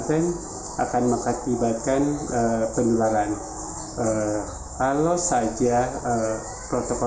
ten akan mengakibatkan penularan alo saja protokol kesehatan tidak dipakai dan kecenderungan itu ada